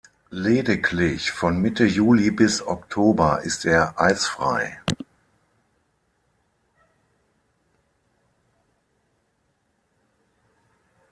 Lediglich von Mitte Juli bis Oktober ist er eisfrei.